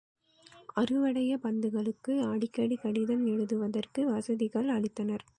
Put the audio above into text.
அருவடைய பந்துக்களுக்கு அடிக்கடி கடிதம் எழுதுவதற்கு வசதிகள் அளித்தனர்.